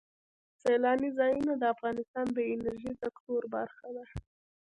سیلاني ځایونه د افغانستان د انرژۍ سکتور برخه ده.